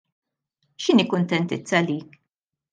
X'inhi kuntentizza għalik?